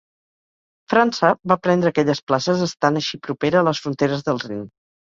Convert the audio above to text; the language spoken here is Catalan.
França va prendre aquelles places estant així propera a les fronteres del Rin.